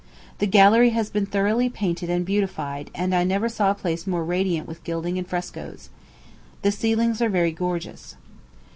The gallery has been thoroughly painted and beautified; and I never saw a place more radiant with gilding and frescoes. The ceilings are very gorgeous.